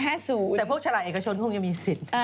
เออ๕๐แต่พวกชาหลักเอกชนคงจะมีสิทธิ์